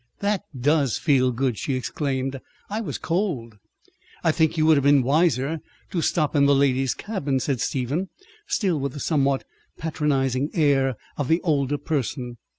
"That does feel good!" she exclaimed. "I was cold." "I think you would have been wiser to stop in the ladies' cabin," said Stephen, still with the somewhat patronizing air of the older person.